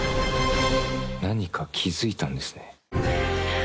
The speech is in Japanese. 「何か気付いたんですね」